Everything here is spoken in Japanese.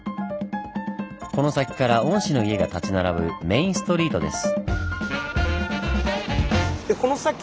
この先から御師の家が立ち並ぶメインストリートです。